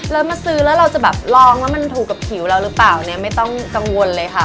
แล้วมาซื้อแล้วเราจะแบบลองแล้วมันถูกกับผิวเราหรือเปล่าเนี่ยไม่ต้องกังวลเลยค่ะ